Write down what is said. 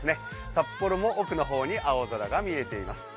札幌も奥の方に青空が見えています。